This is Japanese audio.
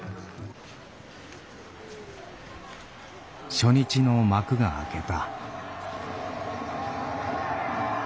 初日の幕が開けた。